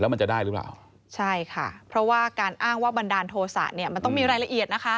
มันจะได้หรือเปล่าใช่ค่ะเพราะว่าการอ้างว่าบันดาลโทษะเนี่ยมันต้องมีรายละเอียดนะคะ